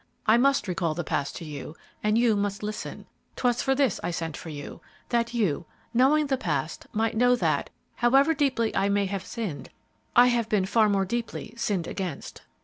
I must recall the past to you, and you must listen; 'twas for this I sent for you, that you, knowing the past, might know that, however deeply I may have sinned, I have been far more deeply sinned against."